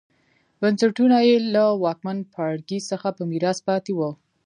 بنسټونه یې له واکمن پاړکي څخه په میراث پاتې وو